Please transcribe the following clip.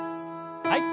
はい。